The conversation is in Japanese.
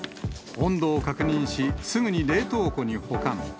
温度を確認し、すぐに冷凍庫に保管。